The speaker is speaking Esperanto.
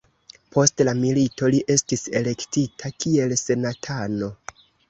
Post la milito li estis elektita kiel senatano.